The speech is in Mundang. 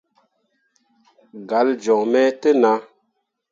Galle joŋ me te nah.